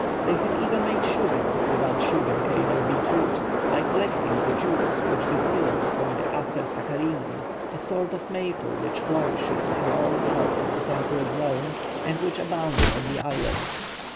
They had even made sugar, without sugar cane or beet root, by collecting the juice which distills from the "acer saccharinum," a sort of maple which flourishes in all parts of the temperate zone, and which abounded on the island.